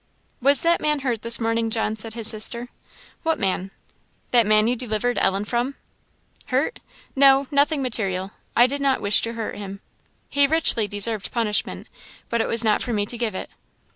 "Was that man hurt this morning, John?" said his sister. "What man?" "That man you delivered Ellen from." "Hurt? no nothing material; I did not wish to hurt him. He richly deserved punishment, but it was not for me to give it."